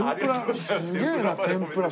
すげえな天ぷら。